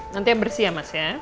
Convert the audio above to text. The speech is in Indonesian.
nanti bersih ya mas ya